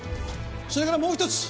それからもう一つ。